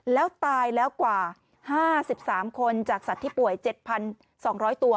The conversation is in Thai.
แล้วตายแล้วกว่า๕๓คนจากสัตว์ที่ป่วย๗๒๐๐ตัว